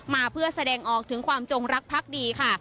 มาเพื่อแสดงออกถึงความจงรักพักดีค่ะ